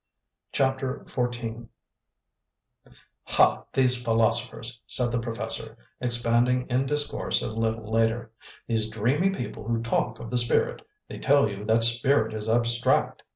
CHAPTER XIV "Ha, these philosophers," said the professor, expanding in discourse a little later "these dreamy people who talk of the spirit, they tell you that spirit is abstract!"